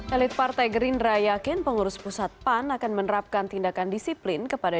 elit partai gerindra yakin pengurus pusat pan akan menerapkan tindakan disiplin kepada